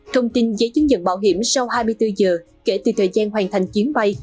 thông tin giấy chứng nhận bảo hiểm sau hai mươi bốn giờ kể từ thời gian hoàn thành chuyến bay